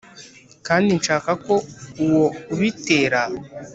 kandi nshaka ko uwo ubitera